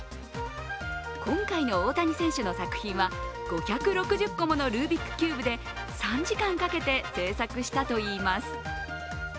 今回の大谷選手の作品は５６０個ものルービックキューブで３時間かけて制作したといいます。